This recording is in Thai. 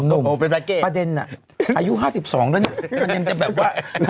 หนุ่มประเด็นน่ะอายุ๕๒แล้วนี่มันยังจะแบบว่าฮะ